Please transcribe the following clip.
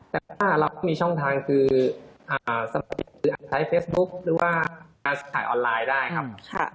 แต่ถ้าเรามีช่องทางคือสมัครหรืออาหารใช้เฟสบุ๊คหรือว่าการส่งขายออนไลน์ได้ครับ